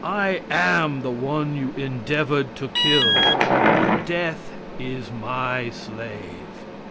I am the one you endeavored to kill, but Death is My slave."